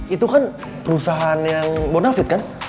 itu kan perusahaan yang bonafit kan